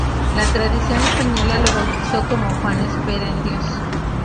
La tradición española lo bautizó como "Juan Espera en Dios".